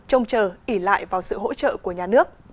trông chờ ỉ lại vào sự hỗ trợ của nhà nước